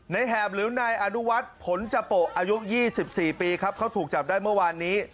แหบหรือนายอนุวัฒน์ผลจโปะอายุ๒๔ปีครับเขาถูกจับได้เมื่อวานนี้